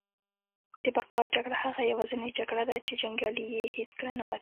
د بقا جګړه هغه یوازینۍ جګړه ده چي جنګیالی یې هیڅکله نه ماتیږي